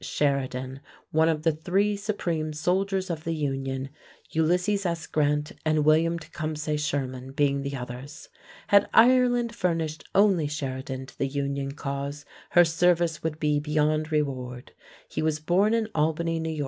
Sheridan, one of the three supreme soldiers of the Union, Ulysses S. Grant and William Tecumseh Sherman being the others. Had Ireland furnished only Sheridan to the Union cause, her service would be beyond reward. He was born in Albany, N.Y.